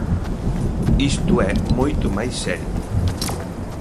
Isto é moito máis serio.